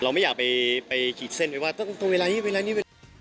เราไม่อยากไปขีดเส้นไปว่าเวลานี้